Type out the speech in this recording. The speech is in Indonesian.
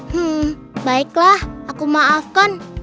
hmm baiklah aku maafkan